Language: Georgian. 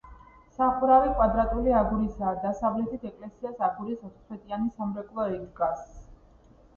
სახურავი კვადრატული აგურისაა: დასავლეთით ეკლესიას აგურის ოთხსვეტიანი სამრეკლო ადგას.